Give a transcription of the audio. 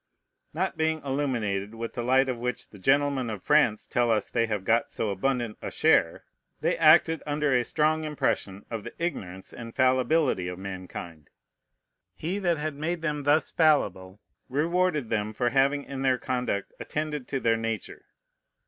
Not being illuminated with the light of which the gentlemen of France tell us they have got so abundant a share, they acted under a strong impression of the ignorance and fallibility of mankind. He that had made them thus fallible rewarded them for having in their conduct attended to their nature.